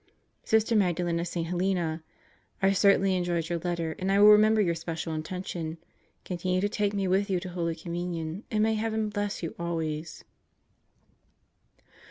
Sister Magdalen of St. Helena, I certainly enjoyed your letter and I will remember your special intention. Continue to take me with you to Holy Communion and may heaven bless you always.